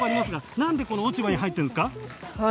何で落ち葉に入ってるんですか。